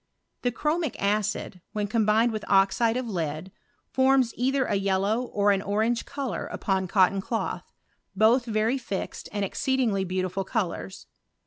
The chromic acid, when combined with oxide of lead, fonns either a yellow or an orange colour upon cotton cloth, both very fixed and exceedingly beautiful colours.